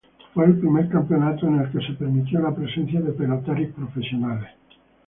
Fue el primer campeonato en el que se permitió la presencia de pelotaris profesionales.